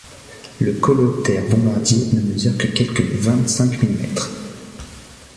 Le coléoptère bombardier ne mesure que quelque vingt-cinq millimètres.